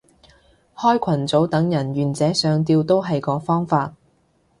開群組等人願者上釣都係個方法